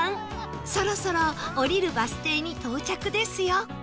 そろそろ降りるバス停に到着ですよ